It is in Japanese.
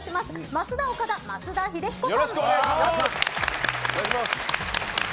ますだおかだ、増田英彦さん。